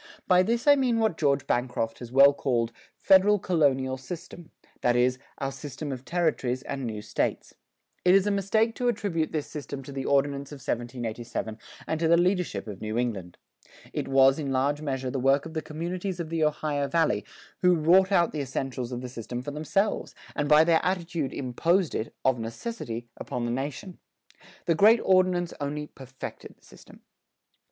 By this I mean what George Bancroft has well called "federal colonial system," that is, our system of territories and new States. It is a mistake to attribute this system to the Ordinance of 1787 and to the leadership of New England. It was in large measure the work of the communities of the Ohio Valley who wrought out the essentials of the system for themselves, and by their attitude imposed it, of necessity, upon the nation. The great Ordinance only perfected the system.